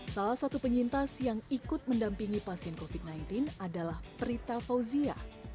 salah satu penyintas yang ikut mendampingi pasien covid sembilan belas adalah prita fauzia